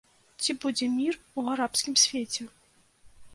Ці будзе мір у арабскім свеце?